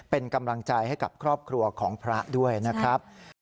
เป็นกำลังใจให้กับครอบครัวของพระด้วยนะครับ